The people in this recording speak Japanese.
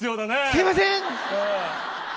すいません。